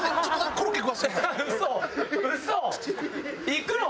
行くの？